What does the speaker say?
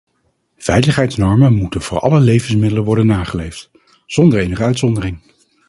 Veiligheidsnormen moeten voor alle levensmiddelen worden nageleefd, zonder enige uitzondering.